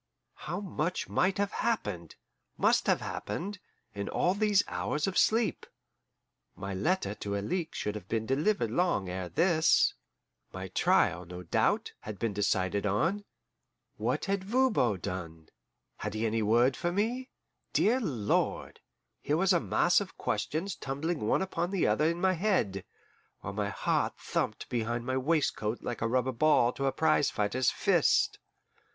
How much might have happened, must have happened, in all these hours of sleep! My letter to Alixe should have been delivered long ere this; my trial, no doubt, had been decided on. What had Voban done? Had he any word for me? Dear Lord! here was a mass of questions tumbling one upon the other in my head, while my heart thumped behind my waistcoat like a rubber ball to a prize fighter's fist.